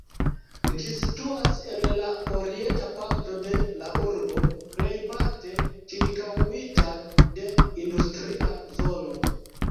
Ĝi situas en la orienta parto de la urbo, plejparte ĉirkaŭita de industria zono.